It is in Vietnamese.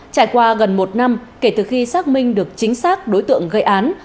trải qua gần một năm kể từ khi xác minh được chính xác đối tượng gây án